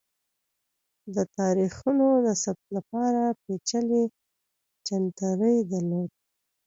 دا د تاریخونو د ثبت لپاره پېچلی جنتري درلوده